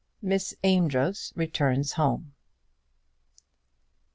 MISS AMEDROZ RETURNS HOME.